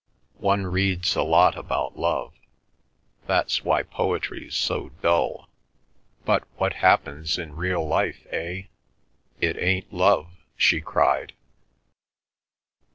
One reads a lot about love—that's why poetry's so dull. But what happens in real life, eh? It ain't love!" she cried.